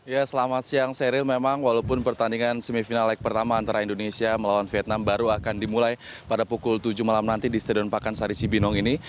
ya selamat siang seril memang walaupun pertandingan semifinal leg pertama antara indonesia melawan vietnam baru akan dimulai pada pukul tujuh malam nanti di stadion pakansari cibinong ini